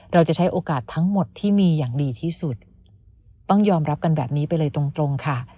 เราจะใช้โอกาสทั้งหมดที่มีอย่างดีที่สุดต้องยอมรับกันแบบนี้ไปเลยตรงค่ะ